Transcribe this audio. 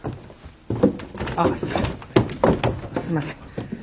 あっすいません。